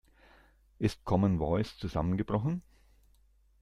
Ist Commen Voice zusammengebrochen?